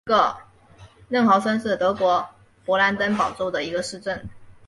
嫩豪森是德国勃兰登堡州的一个市镇。